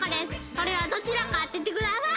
それはどちらか当ててください。